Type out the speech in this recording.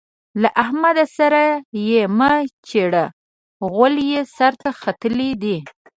له احمد سره يې مه چېړه؛ غول يې سر ته ختلي دي.